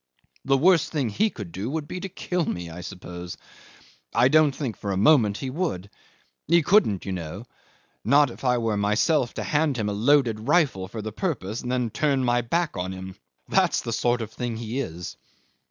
The worst thing he could do would be to kill me, I suppose. I don't think for a moment he would. He couldn't, you know not if I were myself to hand him a loaded rifle for the purpose, and then turn my back on him. That's the sort of thing he is.